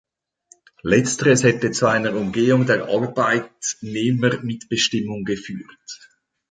Letzteres hätte zu einer Umgehung der Arbeitnehmermitbestimmung geführt.